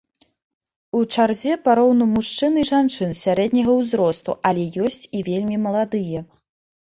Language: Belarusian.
У чарзе пароўну мужчын і жанчын сярэдняга ўзросту, але ёсць і вельмі маладыя.